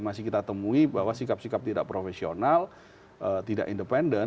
masih kita temui bahwa sikap sikap tidak profesional tidak independen